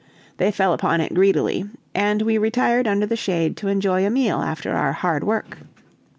They fell upon it greedily, and we retired under the shade to enjoy a meal after our hard work.